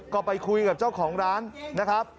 ก็ไปคุยกับเจ้าของร้านนะครับ